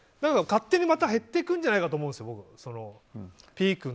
勝手にまた減っていくんじゃないかと思うんですよ。